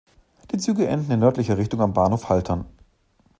Die Züge enden in nördlicher Richtung am Bahnhof Haltern.